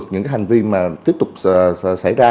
những hành vi mà tiếp tục xảy ra